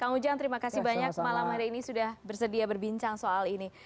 kang ujang terima kasih banyak malam hari ini sudah bersedia berbincang soal ini